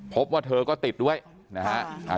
พบว่าเธอก็ติดด้วยนะฮะ